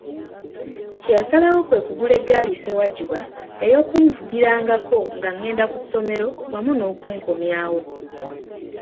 Kye yasalawo kwe kugula eggaali ssewajjuba ey'okunvugirangako nga ngenda ku ssomero wamu n'okunkomyawo.